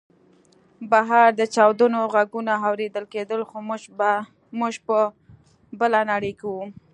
بهر د چاودنو غږونه اورېدل کېدل خو موږ په بله نړۍ کې وو